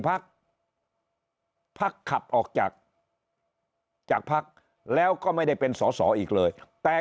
พักพักขับออกจากจากพักแล้วก็ไม่ได้เป็นสอสออีกเลยแต่